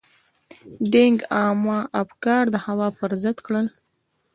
دینګ عامه افکار د هوا پر ضد کړل.